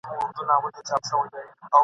د پړانګانو په کوروکي !.